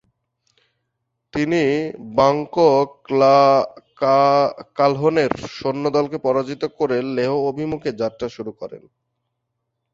তিনি বাঙ্কো কাহ্লোনের সৈন্যদলকে পরাজিত করে লেহ অভিমুখে যাত্রা শুরু করেন।